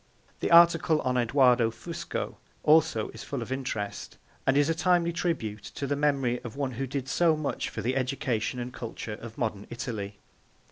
The article on Edoardo Fusco also is full of interest, and is a timely tribute to the memory of one who did so much for the education and culture of modern Italy.